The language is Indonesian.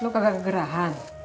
lo kagak kegerahan